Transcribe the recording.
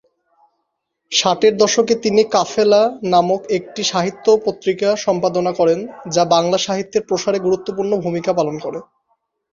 ষাটের দশকে তিনি ‘কাফেলা’ নামক একটি সাহিত্য পত্রিকা সম্পাদনা করেন যা বাংলা সাহিত্যের প্রসারে গুরুত্বপূর্ণ ভূমিকা পালন করে।